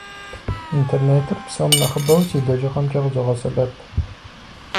Интернетыр псом нэхъыбэу си лэжьыгъэмкӏэ къызогъэсэбэп.